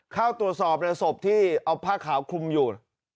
เข้าตรวจสอบในศพที่เอาผ้าขาวคลุมอยู่